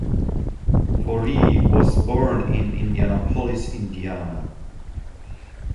Foree was born in Indianapolis, Indiana.